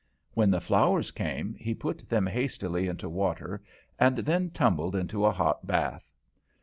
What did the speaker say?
When the flowers came, he put them hastily into water, and then tumbled into a hot bath.